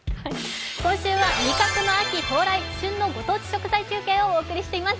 今週は味覚の秋到来、旬のご当地食材を紹介しています。